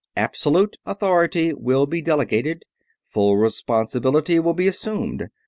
Absolute authority will be delegated. Full responsibility will be assumed.